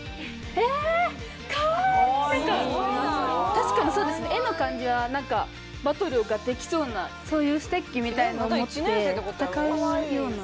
確かにそうですね絵の感じはバトルができそうなステッキみたいなの持って戦うような。